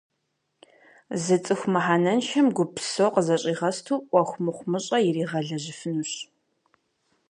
Зы цӏыху мыхьэнэншэм гуп псо къызэщӀигъэсту, Ӏуэху мыхъумыщӀэ иригъэлэжьыфынущ.